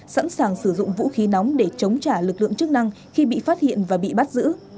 sẵn sàng sử dụng vũ khí nóng để chống trả lực lượng chức năng khi bị phát hiện và bị bắt giữ